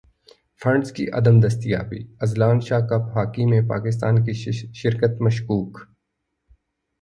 funds کی عدم دستیابی اذلان شاہ کپ ہاکی میں پاکستان کی شرکت مشکوک